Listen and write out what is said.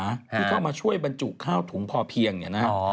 ที่เข้ามาช่วยบรรจุข้าวถุงพอเพียงเนี่ยนะฮะ